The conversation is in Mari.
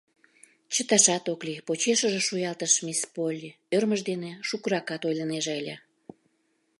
— Чыташат ок лий? — почешыже шуялтыш мисс Полли, ӧрмыж дене шукыракат ойлынеже ыле.